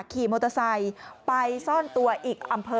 ขี่มอเตอร์ไซค์ไปซ่อนตัวอีกอำเภอ